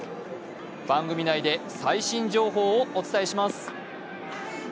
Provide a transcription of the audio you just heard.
番組内で最新情報をお伝えします。